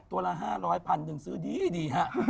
ตัวละห้าร้อยพันกันซื้อดีดีหะ